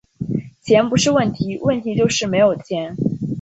钱不是问题，问题就是没有钱